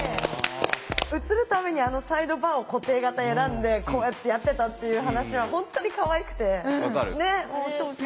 写るためにあのサイドバーを固定型選んでこうやってやってたっていう話は本当にかわいくて。